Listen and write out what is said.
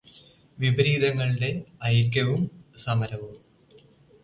വിപരീതങ്ങളുടെ ഐക്യവും സമരവും